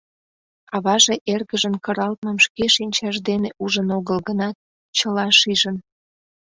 Аваже эргыжын кыралтмым шке шинчаж дене ужын огыл гынат, чыла шижын.